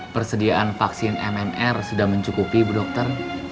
persediaan vaksin mmr sudah mencukupi ibu dokter